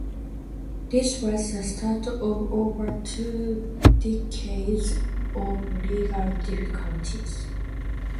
This was the start of over two decades of legal difficulties.